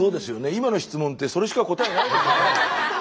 今の質問ってそれしか答えないですよね。